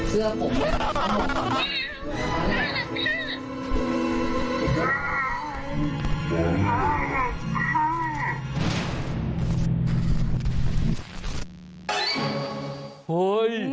เฮ้ย